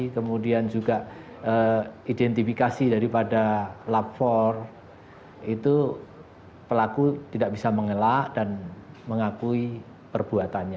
kemudian juga identifikasi daripada lapor itu pelaku tidak bisa mengelak dan mengakui perbuatannya